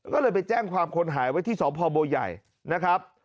ก็เลยไปแจ้งความคนหายไว้ที่สพบัวใหญ่นะครับ